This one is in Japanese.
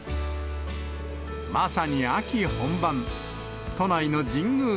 まさに秋本番。